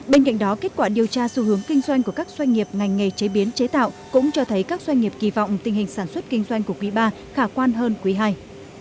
bên cạnh đó kết quả điều tra xu hướng kinh doanh của các doanh nghiệp ngành nghề chế biến chế tạo cũng cho thấy các doanh nghiệp kỳ vọng tình hình sản xuất kinh doanh của quý iii khả quan hơn quý ii